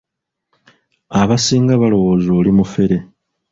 Abasinga balowooza oli mufere.